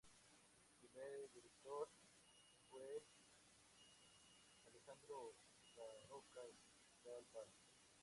Su primer director fue Alejandro Daroca del Val.